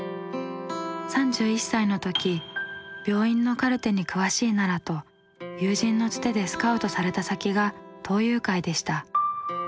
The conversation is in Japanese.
３１歳の時病院のカルテに詳しいならと友人のつてでスカウトされた先が東友会でした。